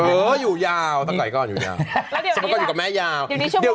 เอออยู่ยาวตะไก่ก่อนอยู่ยาวแล้วเดี๋ยวนี้ล่ะฉันก็อยู่กับแม่ยาวเดี๋ยวนี้ชั่วโมงเดียว